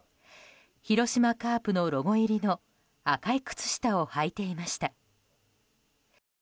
広島カープのロゴ入りの赤い靴下をはいていました。